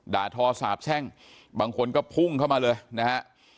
ด่าทอสาบแช่งบางคนก็พุ่งเข้ามาเลยนะฮะ